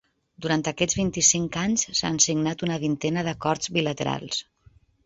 Durant aquests vint-i-cinc anys, s’han signat una vintena d’acords bilaterals.